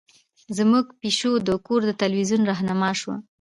زمونږ پیشو د کور د تلویزیون رهنما شوه.